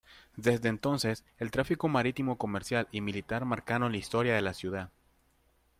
Desde entonces, el tráfico marítimo comercial y militar marcaron la historia de la ciudad.